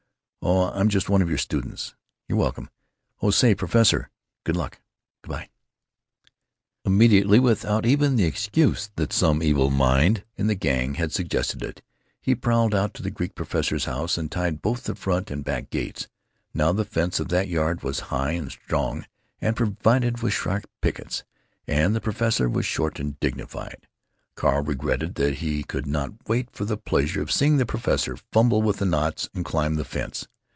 Oh, I'm just one of your students.... You're welcome. Oh, say, Professor, g good luck. G' by." Immediately, without even the excuse that some evil mind in the Gang had suggested it, he prowled out to the Greek professor's house and tied both the front and back gates. Now the fence of that yard was high and strong and provided with sharp pickets; and the professor was short and dignified. Carl regretted that he could not wait for the pleasure of seeing the professor fumble with the knots and climb the fence.